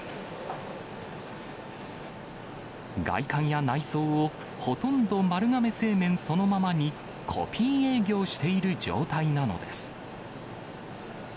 外観や内装をほとんど丸亀製麺そのままに、コピー営業している状態なのです。